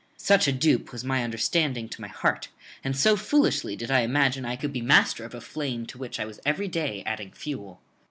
Such a dupe was my understanding to my heart, and so foolishly did I imagine I could be master of a flame to which I was every day adding fuel.